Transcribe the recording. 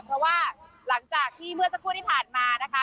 เพราะว่าหลังจากที่เมื่อสักครู่ที่ผ่านมานะคะ